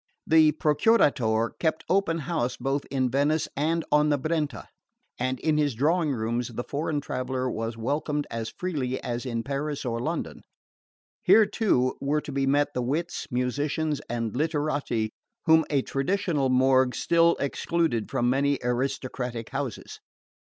The Procuratore kept open house both in Venice and on the Brenta, and in his drawing rooms the foreign traveller was welcomed as freely as in Paris or London. Here, too, were to be met the wits, musicians and literati whom a traditional morgue still excluded from many aristocratic houses.